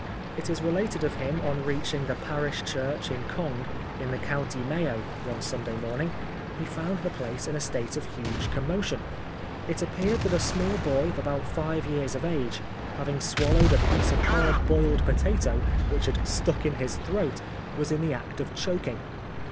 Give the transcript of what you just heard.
It is related of him on reaching the parish church in Cong, in the County Mayo, one Sunday morning, he found the place in a state of huge commotion. It appeared that a small boy of about five years of age, having swallowed a piece of hard boiled potato, which had stuck in his throat, was in the act of choking.